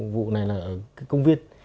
vụ này là công viên